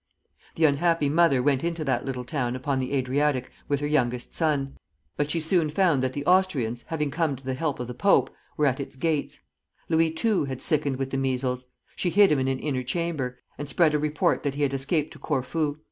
The unhappy mother went into that little town upon the Adriatic with her youngest son; but she soon found that the Austrians, having come to the help of the Pope, were at its gates. Louis, too, had sickened with the measles. She hid him in an inner chamber, and spread a report that he had escaped to Corfu.